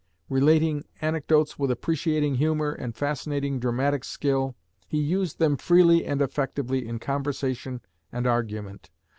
Relating anecdotes with appreciating humor and fascinating dramatic skill, he used them freely and effectively in conversation and argument.